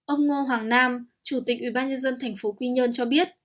ông ngô hoàng nam chủ tịch ubnd tp quy nhơn cho biết